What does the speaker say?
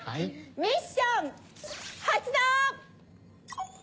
ミッション発動！